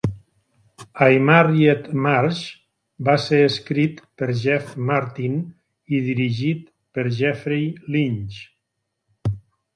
I Married Marge va ser escrit per Jeff Martin i dirigit per Jeffrey Lynch.